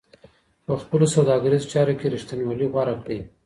په خپلو سوداګريزو چارو کي رښتينولي غوره کړئ.